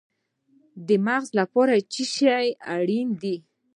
د مغز لپاره څه شی اړین دی؟